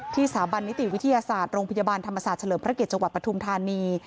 สถาบันนิติวิทยาศาสตร์โรงพยาบาลธรรมศาสตร์เฉลิมพระเกียรจังหวัดปทุมธานี